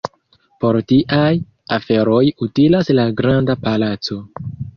Por tiaj aferoj utilas la Granda Palaco.